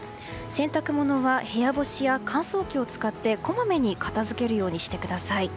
洗濯物は部屋干しや乾燥機を使ってこまめに片づけるようにしてください。